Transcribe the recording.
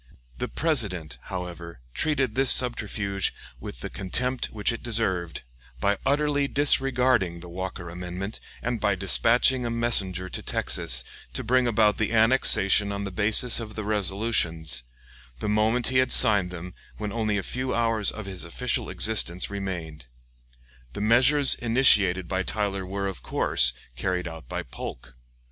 The President, however, treated this subterfuge with the contempt which it deserved, by utterly disregarding the Walker amendment, and by dispatching a messenger to Texas to bring about annexation on the basis of the resolutions, the moment he had signed them, when only a few hours of his official existence remained. The measures initiated by Tyler were, of course, carried out by Polk.